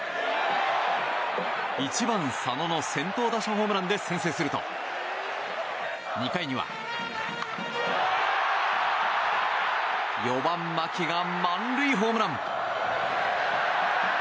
１番、佐野の先頭打者ホームランで先制すると２回には４番、牧が満塁ホームラン。